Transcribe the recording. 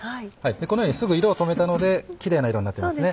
このようにすぐ色を止めたのでキレイな色になってますね。